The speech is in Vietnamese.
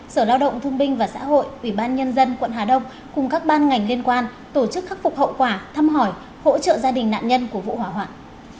sở lao động thung binh và xã hội ubnd tp hà đông cùng các ban ngành liên quan tổ chức khắc phục hậu quả thăm hỏi hỗ trợ gia đình nạn nhân của vụ hỏa hoạn